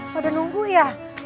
pada nunggu ya